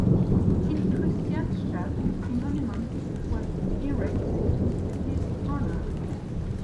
In Kristianstad, a monument was erected in his honor.